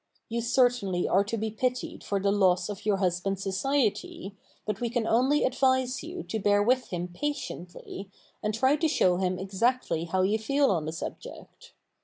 You certainly are to be pitied for the loss of your husband's society, but we can only advise you to bear with him patiently and try to show him exactly how you feel on the subject.